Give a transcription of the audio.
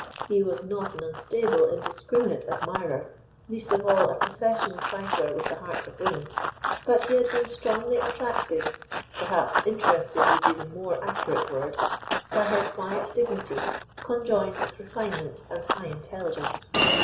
He was not an unstable, indiscriminate admirer, least of all a professional trifler with the hearts of women, but he had been strongly attracted (perhaps interested would be the more accurate word) by her quiet dignity, conjoined with refinement and high intelligence.